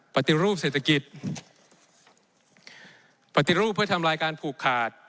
ปฏิรูปเศรษฐกิจปฏิรูปเพื่อทำลายการผูกขาด